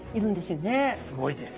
すごいです。